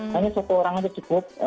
hanya satu orang aja cukup